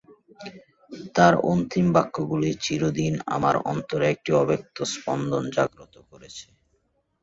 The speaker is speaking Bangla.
তাঁর অন্তিম বাক্যগুলি চিরদিন আমার অন্তরে একটি অব্যক্ত স্পন্দন জাগ্রত করেছে।